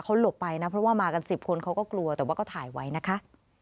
เขาหลบไปนะเพราะว่ามากัน๑๐คนเขาก็กลัวแต่ว่าก็ถ่ายไว้นะคะ